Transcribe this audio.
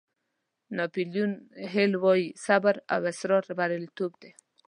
ناپیلیون هیل وایي صبر او اصرار بریالیتوب دی.